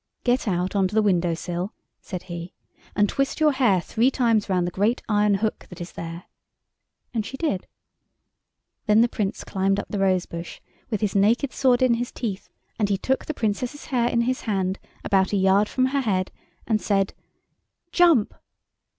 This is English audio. "Get out on to the window sill," said he, "and twist your hair three times round the great iron hook that is there." And she did. Then the Prince climbed up the rose bush with his naked sword in his teeth, and he took the Princess's hair in his hand about a yard from her head and said— "Jump!"